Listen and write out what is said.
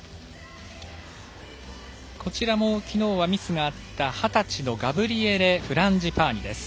こちらも昨日はミスがあった二十歳のガブリエレ・フランジパーニです。